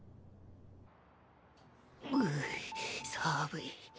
うう寒い。